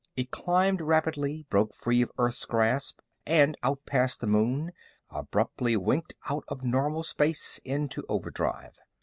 It climbed rapidly, broke free of Earth's grasp, and, out past the moon, abruptly winked out of normal space into overdrive.